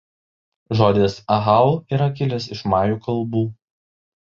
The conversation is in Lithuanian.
Žodis "ahau" yra kilęs iš majų kalbų.